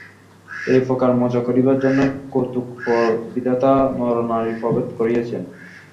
এইপ্রকার মজা করিবার জন্যই কৌতুকপর বিধাতা নরনারীর প্রভেদ করিয়াছেন।